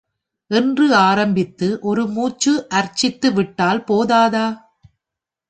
என்று ஆரம்பித்து ஒரு மூச்சு அர்ச்சித்து விட்டால் போதாதா?